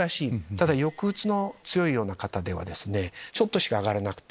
ただ抑うつの強いような方ではちょっとしか上がらなくて。